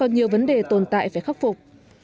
nhiều vấn đề tồn tại phải khắc phục